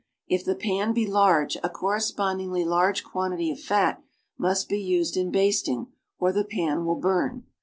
If the pan be large, a correspondingly large cjuantity of fat must be used in basting or the pan will burn.